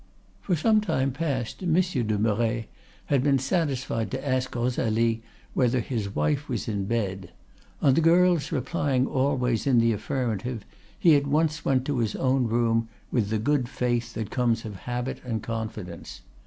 "For some time past Monsieur de Merret had been satisfied to ask Rosalie whether his wife was in bed; on the girl's replying always in the affirmative, he at once went to his own room, with the good faith that comes of habit and confidence.